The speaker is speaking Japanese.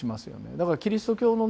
だからキリスト教のね